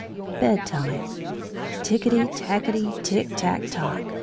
BED TIME Ticketty Tacketty, tick, tack, tock!